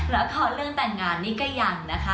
ละครเรื่องแต่งงานนี่ก็ยังนะคะ